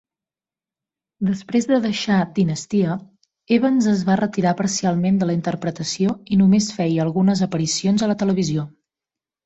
Desprès de deixar "Dinastia", Evans es va retirar parcialment de la interpretació i només feia algunes aparicions a la televisió.